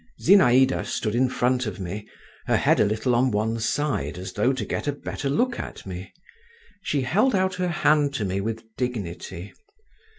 Zinaïda stood in front of me, her head a little on one side as though to get a better look at me; she held out her hand to me with dignity.